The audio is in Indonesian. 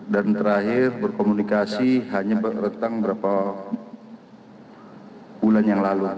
dan terakhir berkomunikasi hanya bertang berapa bulan yang lalu